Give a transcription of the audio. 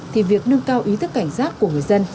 thì việc nâng cao ý thức cảnh giác của người dân